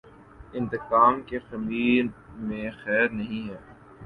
انتقام کے خمیر میںخیر نہیں ہے۔